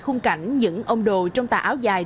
khung cảnh những ông đồ trong tà áo dài